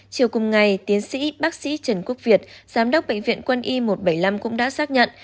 chiều cùng ngày tiến sĩ bác sĩ trần quốc việt giám đốc bệnh viện quân y một trăm bảy mươi năm cũng đã xác nhận